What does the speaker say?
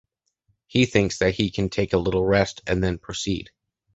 He thinks that he can take a little rest and then proceed.